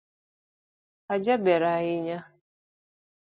Ajaber ahinya